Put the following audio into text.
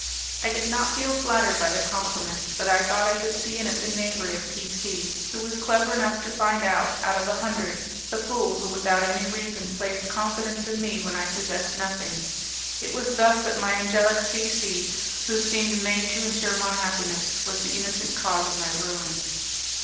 I did not feel flattered by the compliment, but I thought I could see in it the knavery of P C , who was clever enough to find out, out of a hundred, the fool who without any reason placed confidence in me when I possessed nothing. It was thus that my angelic C C , who seemed made to insure my happiness, was the innocent cause of my ruin.